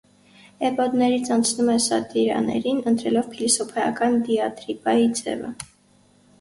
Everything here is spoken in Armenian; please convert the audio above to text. Էպոդներից անցնում է սատիրաներին, ընտրելով փիլիսոփայական դիատրիբայի ձևը։